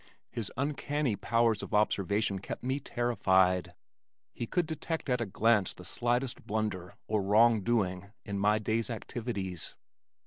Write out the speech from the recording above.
His uncanny powers of observation kept me terrified. He could detect at a glance the slightest blunder or wrong doing in my day's activities.